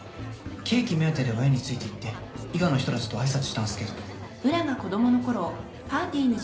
ケーキ目当てで親についていって伊賀の人たちと挨拶したんすけど。